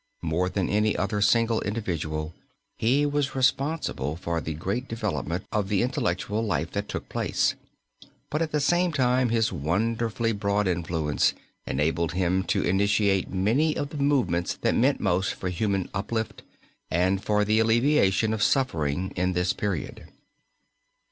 More than any other single individual he was responsible for the great development of the intellectual life that took place, but at the same time his wonderfully broad influence enabled him to initiate many of the movements that meant most for human uplift and for the alleviation of suffering in this period.